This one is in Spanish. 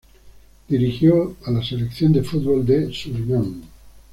Dirigió a la Selección de fútbol de Surinam.